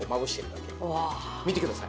見てください。